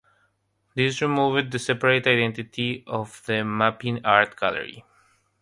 This removed the separate identity of the Mappin Art Gallery.